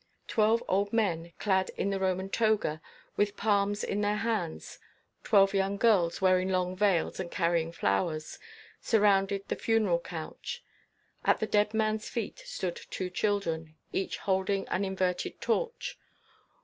Twelve old men clad in the Roman toga, with palms in their hands, twelve young girls wearing long veils and carrying flowers, surrounded the funeral couch. At the dead man's feet stood two children, each holding an inverted torch.